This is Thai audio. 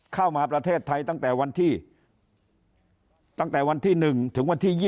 เข้ามาประเทศไทยตั้งแต่วันที่๑ถึงวันที่๒๗